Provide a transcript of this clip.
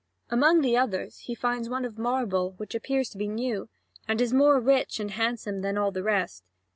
Among the others, he finds one of marble, which appears to be new, and is more rich and handsome than all the rest.